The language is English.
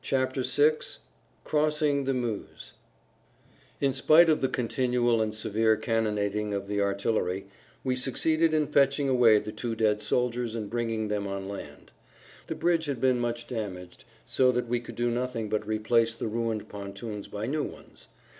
[Pg 45] VI CROSSING THE MEUSE In spite of the continual and severe cannonading of the artillery we succeeded in fetching away the two dead soldiers and bringing them on land. The bridge had been much damaged so that we could do nothing but replace the ruined pontoons by new ones.